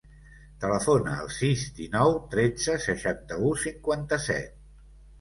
Telefona al sis, dinou, tretze, seixanta-u, cinquanta-set.